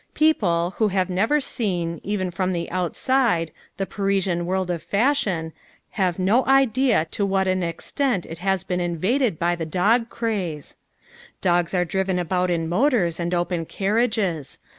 People, who have never seen, even from the outside, the Parisian world of fashion, have no idea to what an extent it has been invaded by the dog craze. Dogs are driven about in motors and open carriages.